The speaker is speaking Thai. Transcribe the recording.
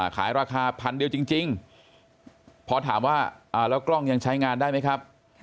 ขายราคาพันเดียวจริงพอถามว่าแล้วกล้องยังใช้งานได้ไหมครับ